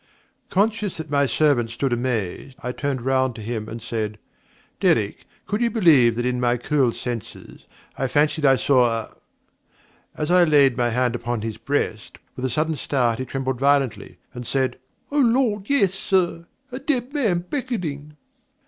Conscious that my servant stood amazed, I turned round to him, and said: 'Derrick, could you believe that in my cool senses I fancied I saw a ' As I there laid my hand upon his breast, with a sudden start he trembled violently, and said, 'O Lord yes sir! A dead man beckoning!'